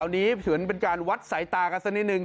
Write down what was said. อันนี้ถือเป็นการวัดสายตากันสักนิดนึง